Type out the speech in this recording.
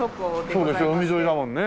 そうでしょう海沿いだもんね。